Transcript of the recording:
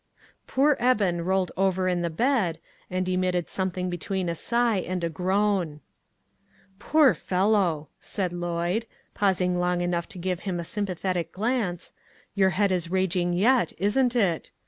Poor Eben rolled over in the bed, and emitted something between a sigh and a groan. A VICTIM OF CIRCUMSTANCE. 151 "Poor fellow," said Lloyd, pausing long enough to give him a sympathetic glance, "your head is raging yet, isn't it?